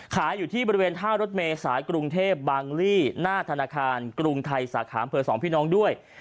ขายอยู่ที่บริเวณท่ารถเมษายกรุงเทพบางลี่หน้าธนาคารกรุงไทยสาขาอำเภอสองพี่น้องด้วย